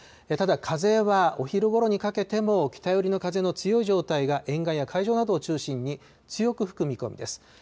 ただ、風はお昼ごろにかけても北寄りの風の強い状態が沿岸や海上などを中心に強く吹く見込みです。